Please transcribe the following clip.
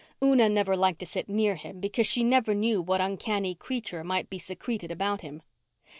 Una never liked to sit near him because she never knew what uncanny creature might be secreted about him.